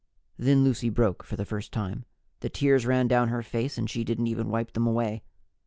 Then Lucy broke for the first time. The tears ran down her face and she didn't even wipe them away.